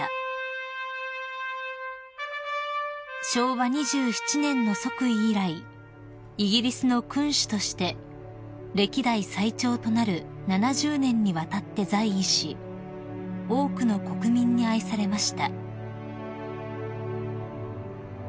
［昭和２７年の即位以来イギリスの君主として歴代最長となる７０年にわたって在位し多くの国民に愛されました］